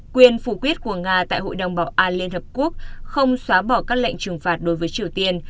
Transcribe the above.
quyền phủ quyết của nga tại hội đồng bảo an liên hợp quốc không xóa bỏ các lệnh trừng phạt đối với triều tiên